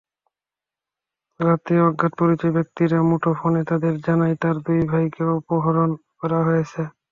রাতে অজ্ঞাতপরিচয় ব্যক্তিরা মুঠোফোনে তাদের জানায়, তাঁর দুই ভাইকে অপহরণ করা হয়েছে।